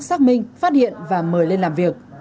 xác minh phát hiện và mời lên làm việc